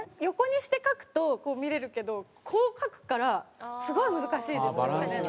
横にして描くとこう見れるけどこう描くからすごい難しい。